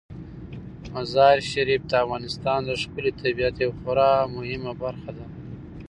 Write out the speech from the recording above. مزارشریف د افغانستان د ښکلي طبیعت یوه خورا مهمه برخه ده.